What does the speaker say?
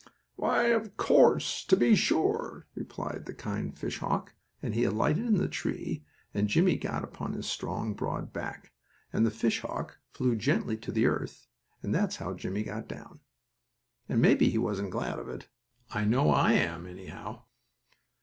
"Why, of course, to be sure," replied the kind fishhawk, and he alighted in the tree, and Jimmie got upon his strong, broad back, and the fishhawk flew gently to the earth, and that's how Jimmie got down. And maybe he wasn't glad of it! I know I am, anyhow.